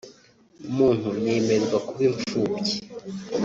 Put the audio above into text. umuntu yemererwa kuba imfubyi